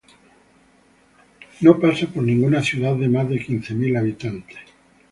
No pasa por ninguna ciudad de mas de quince mil habitantes.